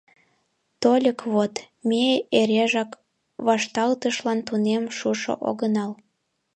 Тольык вот... ме эрежак вашталтышлан тунем шушо огынал.